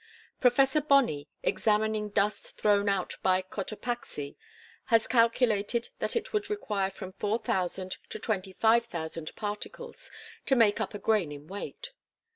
Professor Bonney, examining dust thrown out by Cotopaxi, has calculated that it would require from four thousand to twenty five thousand particles to make up a grain in weight.